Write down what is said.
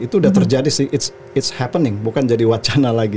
itu udah terjadi sih it s happening bukan jadi wacana lagi